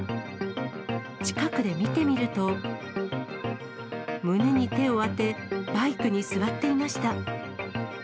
近くで見てみると、胸に手を当て、バイクに座っていました。